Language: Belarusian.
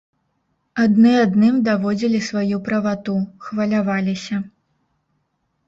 Адны адным даводзілі сваю правату, хваляваліся.